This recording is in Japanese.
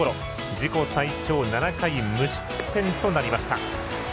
自己最長７回無失点となりました。